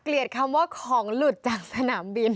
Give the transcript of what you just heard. เกลียดคำว่าของหลุดจากสนามบิน